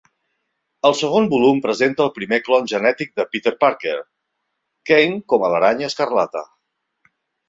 El segon volum presenta el primer clon genètic de Peter Parker, Kaine com a l'Aranya Escarlata.